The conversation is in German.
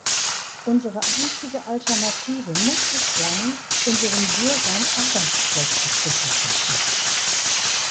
Unsere einzige Alternative muss es sein, unseren Bürgern Arbeitsplätze zu verschaffen.